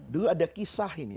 dulu ada kisah ini